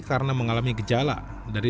karena mengalami penyakit yang mati